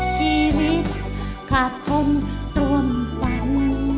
ชีวิตขาดคมตรวมฝัน